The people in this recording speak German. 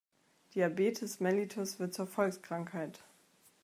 Diabetes mellitus wird zur Volkskrankheit.